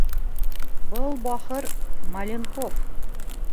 Был бахыр - Маленков.